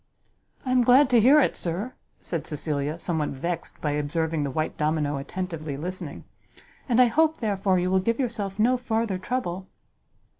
"I am glad to hear it, sir," said Cecilia, somewhat vexed by observing the white domino attentively listening; "and I hope, therefore, you will give yourself no farther trouble."